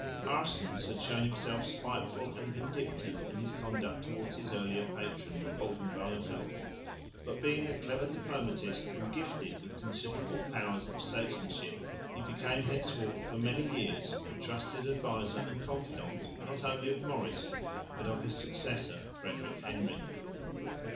Aerssens had shown himself spiteful and vindictive in his conduct towards his earlier patron, Oldenbarneveldt, but being a clever diplomatist and gifted with considerable powers of statesmanship, he became henceforth for many years the trusted adviser and confidant not only of Maurice, but of his successor Frederick Henry.